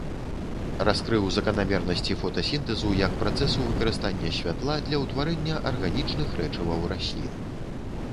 Раскрыў заканамернасці фотасінтэзу як працэсу выкарыстання святла для ўтварэння арганічных рэчываў раслін.